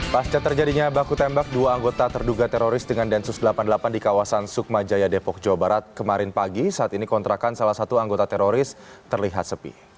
pasca terjadinya baku tembak dua anggota terduga teroris dengan densus delapan puluh delapan di kawasan sukma jaya depok jawa barat kemarin pagi saat ini kontrakan salah satu anggota teroris terlihat sepi